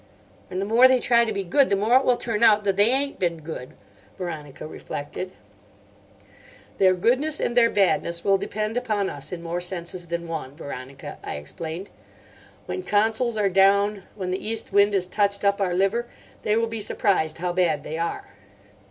"And the more they try to be good, the more it will turn out that they ain't been good," Veronica reflected. "Their goodness and their badness will depend upon us in more senses than one, Veronica," I explained. "When Consols are down, when the east wind has touched up our liver, they will be surprised how bad they are."